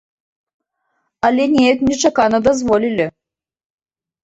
Але неяк нечакана дазволілі.